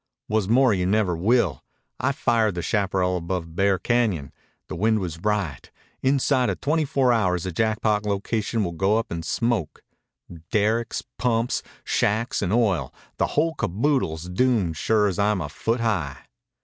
"Wha's more, you never will. I fired the chaparral above Bear Cañon. The wind was right. Inside of twenty four hours the Jackpot locations will go up in smoke. Derricks, pumps, shacks, an' oil; the whole caboodle's doomed sure as I'm a foot high."